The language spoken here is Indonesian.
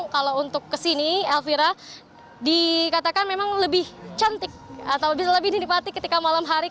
kalau untuk kesini elvira dikatakan memang lebih cantik atau bisa lebih dinikmati ketika malam hari